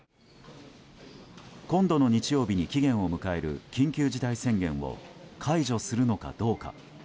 今度の日曜日に期限を迎える緊急事態宣言を解除するのかどうか。